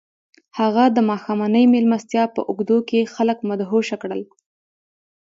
هغه د ماښامنۍ مېلمستیا په اوږدو کې خلک مدهوشه کړل